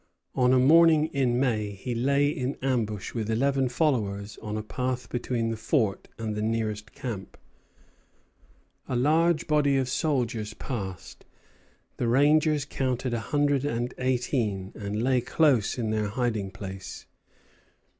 On a morning in May he lay in ambush with eleven followers on a path between the fort and the nearest camp. A large body of soldiers passed; the rangers counted a hundred and eighteen, and lay close in their hiding place.